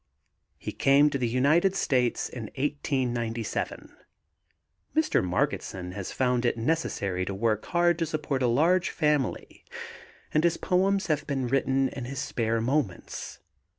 He came to the United States in 1897. Mr. Margetson has found it necessary to work hard to support a large family and his poems have been written in his spare moments.